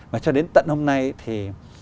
và cho đến tận hôm nay thì